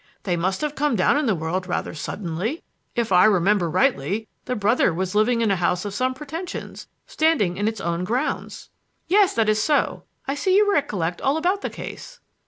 They must have come down in the world rather suddenly. If I remember rightly, the brother was living in a house of some pretentions standing in its own grounds." "Yes, that is so. I see you recollect all about the case."